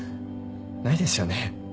ないですよね。